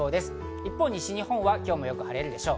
一方、西日本は今日もよく晴れるでしょう。